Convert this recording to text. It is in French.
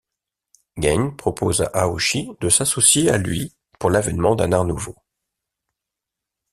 Gein propose à Aoshi de s’associer à lui pour l'avènement d'un art nouveau.